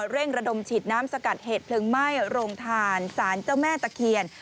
เร่งระดมฉีดน้ำสกัดเหตุเพลิงไหม้โรงทานสารเจ้าแม่ตะเคียน